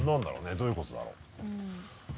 どういうことだろう？